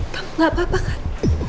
kamu gak apa apa kan